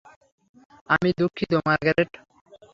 আমি দুঃখিত, মার্গারেট।